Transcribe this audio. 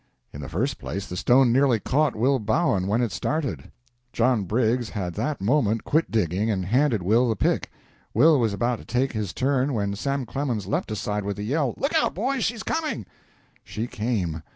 In the first place the stone nearly caught Will Bowen when it started. John Briggs had that moment quit digging and handed Will the pick. Will was about to take his turn when Sam Clemens leaped aside with a yell: "Lookout, boys; she's coming!" She came.